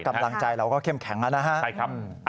กำลังใจเราก็เข้มแข็งแล้วนะครับ